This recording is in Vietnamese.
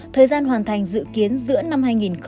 thời gian hoàn thành dự kiến giữa năm hai nghìn hai mươi